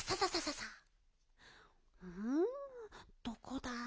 どこだ？